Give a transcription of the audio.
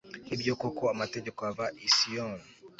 ni byo koko, amategeko ava i siyoni